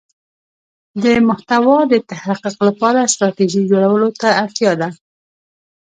د محتوا د تحقق لپاره ستراتیژی جوړولو ته اړتیا ده.